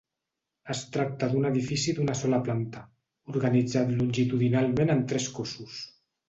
Es tracta d'un edifici d'una sola planta, organitzat longitudinalment en tres cossos.